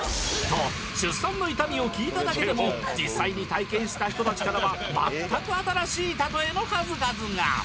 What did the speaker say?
出産の痛みを聞いただけでも実際に体験した人たちからは全く新しいたとえの数々が！